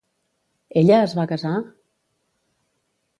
Ella es va casar?